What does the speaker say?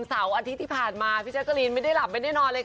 เสาร์อาทิตย์ที่ผ่านมาพี่แจ๊กกะลีนไม่ได้หลับไม่ได้นอนเลยค่ะ